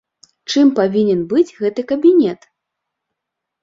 Чым павінен быць гэты кабінет?